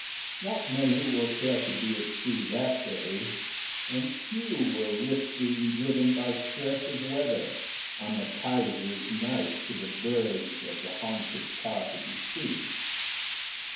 Not many will care to be at sea that day, and few will risk being driven by stress of weather on the Kaiser's night to the bergs of the haunted part of sea.